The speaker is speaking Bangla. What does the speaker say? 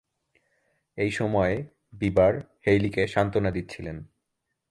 এই সময়ে বিবার হেইলিকে সান্ত্বনা দিচ্ছিলেন।